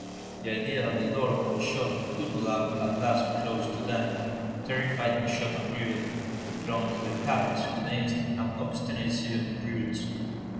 The idea that the door of the shop would no doubt at last be closed to them, terrified Michaud and Grivet, who clung to their habits with the instinct and obstinacy of brutes.